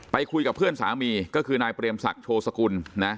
คุยกับเพื่อนสามีก็คือนายเปรมศักดิ์โชสกุลนะ